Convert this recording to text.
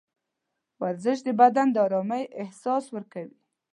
ورزش د بدن د ارامۍ احساس ورکوي.